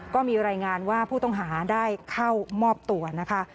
ก็มีรายงานว่าผู้ต้องหาได้เข้ามอบตัวนะคะ